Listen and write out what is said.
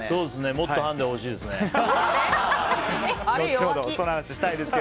もっとハンデ欲しいですね。